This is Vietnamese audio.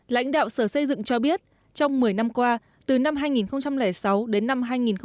lãnh đạo sở xây dựng cho biết trong một mươi năm qua từ năm hai nghìn sáu đến năm hai nghìn một mươi